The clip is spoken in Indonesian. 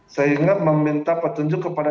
sehingga meminta petunjuk kepada